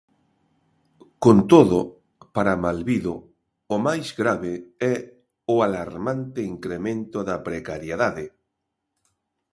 Con todo, para Malvido o máis grave é "o alarmante incremento da precariedade".